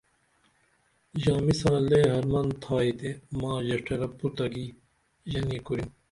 ژامی ساں لے ہرمن تھائی تے ماں ژیڜٹیرہ پُترہ کی ژنی کُریم